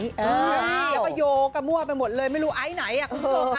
แล้วประโยคกัมมั่วไปหมดเลยไม่รู้ไอ้ไหนอ่ะคุ้มตรง